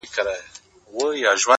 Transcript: ستا د غزلونو و شرنګاه ته مخامخ يمه،